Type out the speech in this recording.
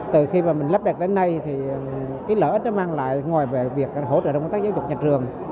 từ khi mà mình lắp đặt đến nay thì cái lợi ích nó mang lại ngoài về việc hỗ trợ công tác giáo dục nhà trường